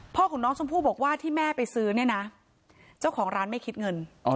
ของน้องชมพู่บอกว่าที่แม่ไปซื้อเนี่ยนะเจ้าของร้านไม่คิดเงิน